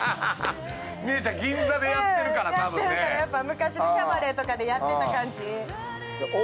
やっぱ昔のキャバレーとかでやってた感じ。